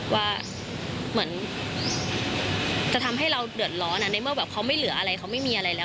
ว่าเหมือนจะทำให้เราเดือดร้อนในเมื่อแบบเขาไม่เหลืออะไรเขาไม่มีอะไรแล้ว